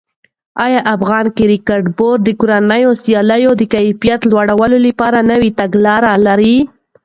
آیا افغان کرکټ بورډ د کورنیو سیالیو د کیفیت لوړولو لپاره نوې تګلاره لري؟